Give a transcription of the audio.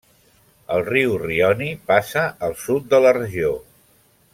El riu Rioni passa al sud de la regió.